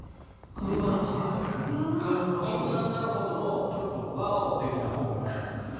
車のトランクにこんなになるほどのちょっと、ワーオ的な本が。